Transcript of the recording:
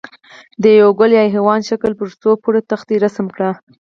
د یوه ګل یا حیوان شکل پر څو پوړه تختې رسم کړئ.